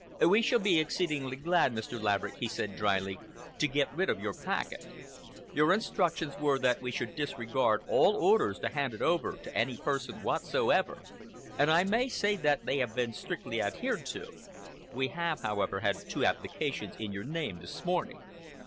"We shall be exceedingly glad, Mr. Laverick," he said dryly, "to get rid of your packet. Your instructions were that we should disregard all orders to hand it over to any person whatsoever, and I may say that they have been strictly adhered to. We have, however, had two applications in your name this morning."